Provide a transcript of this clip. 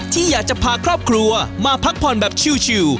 ที่อยากจะพาครอบครัวมาพักผ่อนแบบชิล